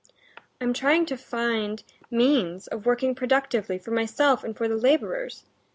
"I am trying to find means of working productively for myself and for the laborers.